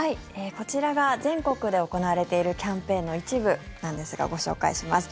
こちらが全国で行われているキャンペーンの一部なんですがご紹介します。